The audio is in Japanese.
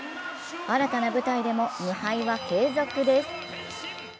新たな舞台でも無敗は継続です。